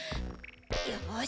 よし！